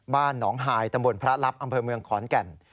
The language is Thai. บ้านหนองฮายตำบลพระลับอำเภอเมืองขอนแก่น